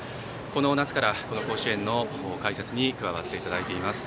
この夏から、甲子園の解説に加わっていただいています。